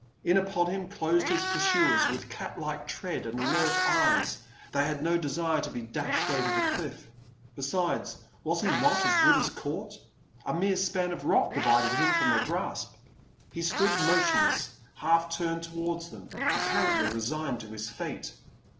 In upon him closed his pursuers with cat like tread and alert eyes. They had no desire to be dashed over the cliff. Besides, was he not as good as caught? A mere span of rock divided him from their grasp. He stood motionless, half turned towards them, apparently resigned to his fate.